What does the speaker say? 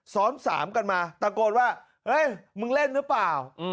สอน๓กันมาปรากฏว่าเฮ้ยมึงเล่นหรือเปล่า